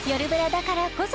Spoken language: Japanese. だからこそ